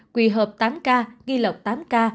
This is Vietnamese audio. quỳ hợp tám ca ghi lọc tám ca